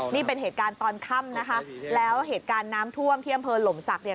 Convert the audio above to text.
นี่เป็นเหตุการณ์ตอนค่ำนะคะแล้วเหตุการณ์น้ำท่วมที่อำเภอหล่มศักดิ์เนี่ย